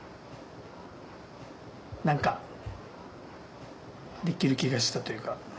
なんかできる気がしたというか。